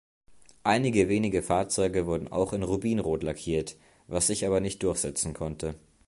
Einige wenige Fahrzeuge wurden auch in Rubinrot lackiert, was sich aber nicht durchsetzen konnte.